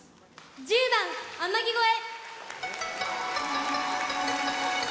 １０番「天城越え」。